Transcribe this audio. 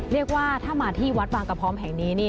เรียกว่าถ้ามาที่วัดบางกระพร้อมแห่งนี้